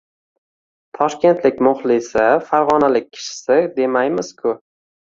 Toshkentlik muxlisi, fargʻonalik kishisi demaymiz-ku